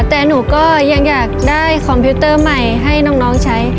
แต่หนูก็ยังอยากได้คอมพิวเตอร์ใหม่ให้น้องใช้